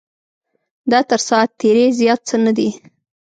دا تر ساعت تېرۍ زیات څه نه دی.